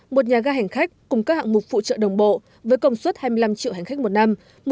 một nhà ga hành khách cùng các hạng mục phụ trợ đồng bộ với công suất hai mươi năm triệu hành khách một năm